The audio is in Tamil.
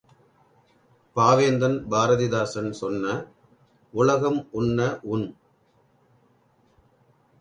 பாவேந்தன் பாரதிதாசன் சொன்ன, உலகம் உண்ண உண்!